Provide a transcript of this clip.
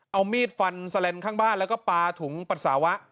เอามีดฟันแสลนด์ข้างบ้านแล้วก็ปลาถุงปัสสาวะ